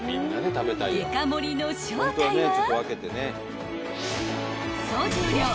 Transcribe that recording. ［デカ盛りの正体は］